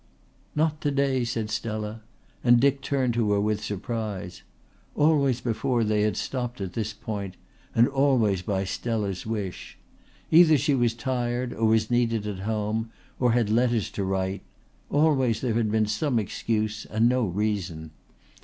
"Not to day," said Stella, and Dick turned to her with surprise. Always before they had stopped at this point and always by Stella's wish. Either she was tired or was needed at home or had letters to write always there had been some excuse and no reason.